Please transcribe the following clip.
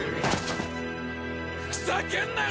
ふざけんなよ